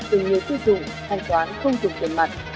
từ người sử dụng thanh toán không dùng tiền mặt